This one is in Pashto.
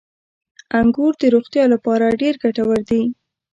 • انګور د روغتیا لپاره ډېر ګټور دي.